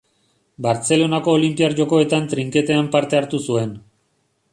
Bartzelonako Olinpiar Jokoetan trinketean parte hartu zuen.